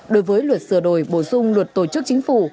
đối với luật sửa đổi bổ sung luật tổ chức chính phủ